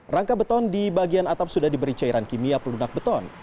rangka beton di bagian atap sudah diberi cairan kimia pelunak beton